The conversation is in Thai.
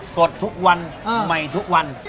สดทุกวันใหม่ทุกวัน